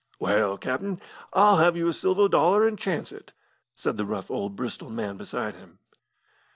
"Well, captain, I'll have you a silver dollar, and chance it," said the rough old Bristol man beside him.